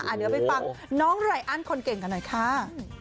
เดี๋ยวไปฟังน้องไรอันคนเก่งกันหน่อยค่ะ